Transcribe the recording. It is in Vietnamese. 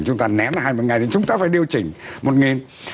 chúng ta nén lại hai mươi ngày thì chúng ta phải điều chỉnh một nghìn